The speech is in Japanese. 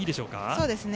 そうですね。